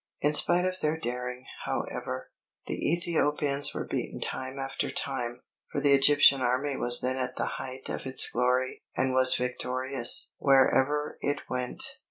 In spite of their daring, however, the Ethiopians were beaten time after time; for the Egyptian army was then at the height of its glory, and was victorious wherever it went.